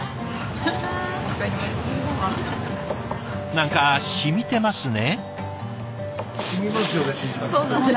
何かしみてますね。